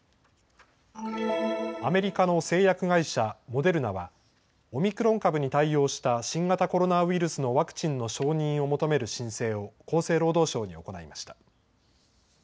アメリカの製薬会社、モデルナはオミクロン株に対応した新型コロナウイルスのワクチンの承認を求める申請を厚生労働省に行いました。